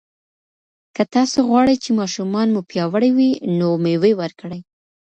که تاسو غواړئ چې ماشومان مو پیاوړي وي، نو مېوې ورکړئ.